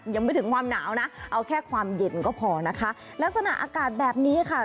ยังไม่ถึงความหนาวนะเอาแค่ความเย็นก็พอนะคะลักษณะอากาศแบบนี้ค่ะ